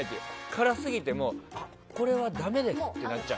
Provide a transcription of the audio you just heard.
辛すぎてこれはだめですって。